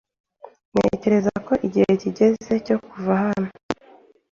Ntekereza ko igihe kigeze cyo kuva hano.